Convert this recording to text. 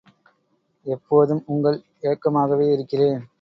எப்போதும் உங்கள் ஏக்கமாகவே இருக்கிறேன்.